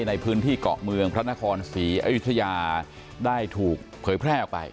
ในพื้นที่เกาะเมืองพระนครศรีอยุธยาได้ถูกเผยแพร่ออกไป